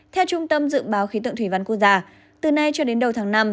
theo trung tâm dự báo khí tượng thủy văn quốc gia từ nay cho đến đầu tháng năm